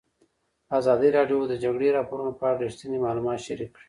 ازادي راډیو د د جګړې راپورونه په اړه رښتیني معلومات شریک کړي.